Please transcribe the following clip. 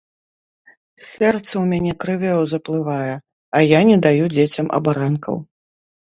Сэрца ў мяне крывёю заплывае, а я не даю дзецям абаранкаў.